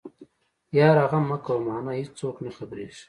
يره غم مکوه مانه ايڅوک نه خبرېږي.